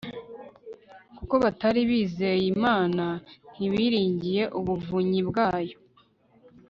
kuko batari bizeye imana, ntibiringire ubuvunyi bwayo